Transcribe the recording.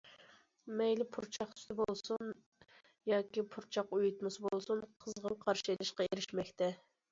مەيلى پۇرچاق سۈتى بولسۇن ياكى پۇرچاق ئۇيۇتمىسى بولسۇن، قىزغىن قارشى ئېلىشقا ئېرىشمەكتە.